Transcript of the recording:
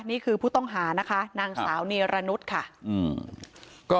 นี่คือผู้ต้องหานางสาวนี่รนุษย์